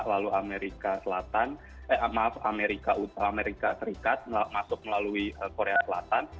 lalu amerika selatan eh maaf amerika serikat masuk melalui korea selatan